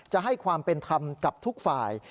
จะให้ความเป็นธรรมกับทุกฝ่าย